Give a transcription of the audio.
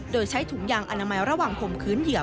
โดยใช้ถุงยางอนามัยระหว่างข่มขืนเหยื่อ